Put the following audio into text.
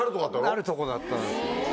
なるとこだったんすよ。